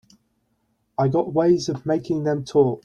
I got ways of making them talk.